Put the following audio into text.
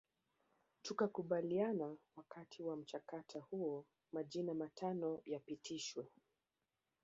Tukakubaliana Wakati wa mchakato huo majina matano yapitishwe